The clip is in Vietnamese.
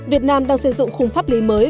việt nam đang sử dụng khung pháp lý mới